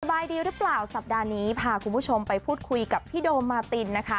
บายดีหรือเปล่าสัปดาห์นี้พาคุณผู้ชมไปพูดคุยกับพี่โดมมาตินนะคะ